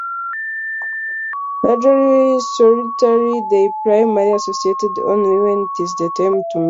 Largely solitary, they primarily associate only when it is time to mate.